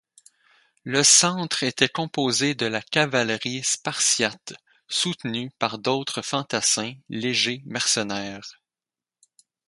Le centre était composé de la cavalerie spartiate, soutenue par d'autres fantassins légers mercenaires.